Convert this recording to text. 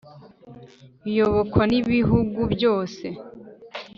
Iyobokwa n’ibihugu byose,